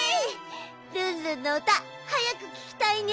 ルンルンのうたはやくききたいね！